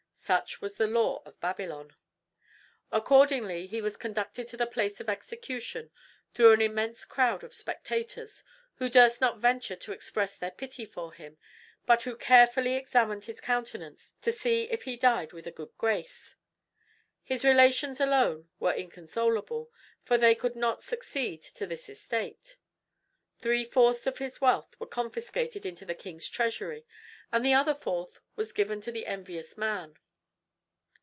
Such was the law of Babylon. Accordingly he was conducted to the place of execution, through an immense crowd of spectators, who durst not venture to express their pity for him, but who carefully examined his countenance to see if he died with a good grace. His relations alone were inconsolable, for they could not succeed to his estate. Three fourths of his wealth were confiscated into the king's treasury, and the other fourth was given to the envious man.